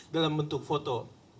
dalam bentuk foto